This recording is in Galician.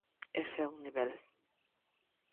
Ese é un nivel.